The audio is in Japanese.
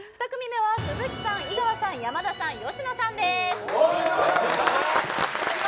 鈴木さん、井川さん山田さん、吉野さんです。